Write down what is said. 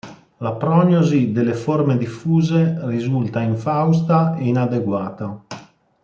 La prognosi delle forme diffuse risulta infausta e inadeguata.